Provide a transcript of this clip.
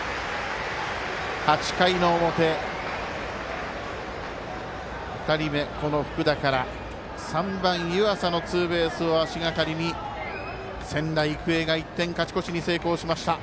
８回の表、２人目、福田から３番、湯浅のツーベースを足がかりに仙台育英が１点勝ち越しに成功しました。